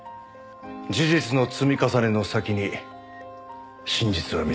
事実の積み重ねの先に真実は見つかる。